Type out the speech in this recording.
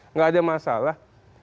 nggak ada masalah